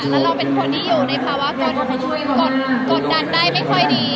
แล้วเราเป็นคนที่อยู่ในภาวะการกดดันได้ไม่ค่อยดี